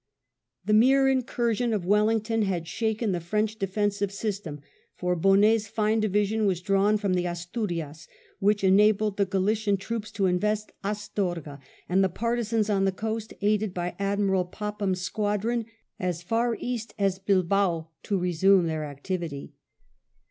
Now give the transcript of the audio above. The mere incursion of Wel lington had shaken the French defensive system, for Bonnet's j&ne division was drawn from the Asturias, which enabled the Gralician troops to invest Astorga, and the partisans on the coast, aided by Admiral Popham's squad ron, as far east as Bilboa to resume their activity.